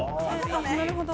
なるほど。